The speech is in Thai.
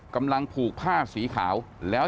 กำลังผูกผ้าสีขาวแล้ว